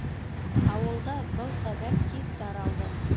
Ауылда был хәбәр тиҙ таралды.